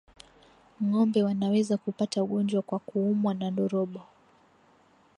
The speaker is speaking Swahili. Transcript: Ngombe wanaweza kupata ugonjwa kwa kuumwa na ndorobo